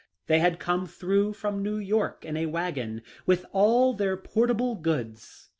They had come through from New York in a wagon, with all their portable goods.